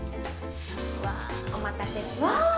お待たせしました。